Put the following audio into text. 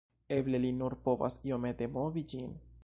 Eble li nur povas iomete movi ĝin